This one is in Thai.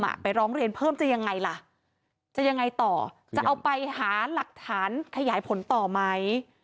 ไปร้องเรียนเพิ่มจะยังไงล่ะจะยังไงต่อจะเอาไปหาหลักฐานขยายผลต่อไหม